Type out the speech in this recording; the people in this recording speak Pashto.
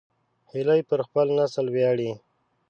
هیلۍ پر خپل نسل ویاړي